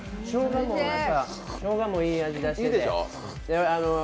しょうがもいい味出している。